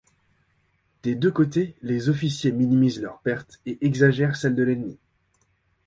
Des deux côtés, les officiers minimisent leurs pertes et exagèrent celle de l'ennemi.